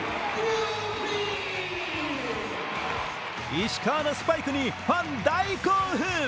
石川のスパイクにファン大興奮！